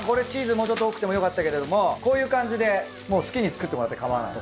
もうちょっと多くてもよかったけれどもこういう感じでもう好きに作ってもらってかまわない。